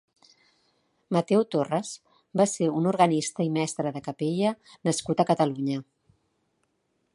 Mateu Torres va ser un organista i mestre de capella nascut a Catalunya.